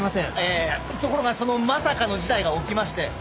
いやいやところがそのまさかの事態が起きまして。